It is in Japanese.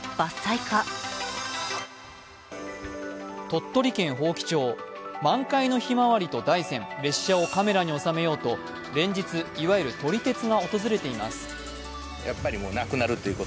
鳥取県伯耆町、満開のひまわりと大山列車をカメラに収めようと連日、いわゆる撮り鉄が訪れています。